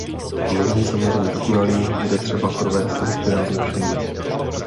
Není samozřejmě dokonalý, bude třeba provést některá zlepšení.